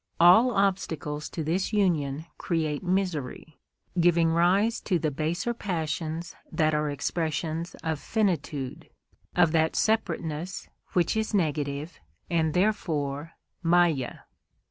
All obstacles to this union create misery, giving rise to the baser passions that are expressions of finitude, of that separateness which is negative and therefore máyá.